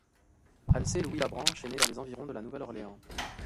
Alcée Louis la Branche est né dans les environs de La Nouvelle-Orléans.